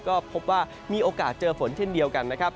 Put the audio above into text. ก็พบว่ามีโอกาสเจอฝนเช่นเดียวกันนะครับ